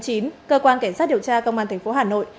cơ quan cảnh sát điều tra công an thành phố hà nội